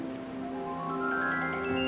ini debu bintang